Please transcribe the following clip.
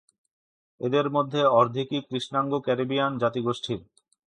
এদের মধ্যে অর্ধেকই কৃষ্ণাঙ্গ ক্যারিবিয়ান জাতিগোষ্ঠীর।